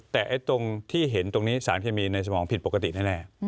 แต่ตรงที่เห็นตรงนี้สารเคมีในสมองผิดปกติแน่